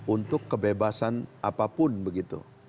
untuk kebebasan apapun begitu